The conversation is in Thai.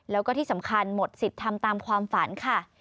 แล้วก็ที่สำคัญหมดสิทธิ์ทำตามความฝันค่ะ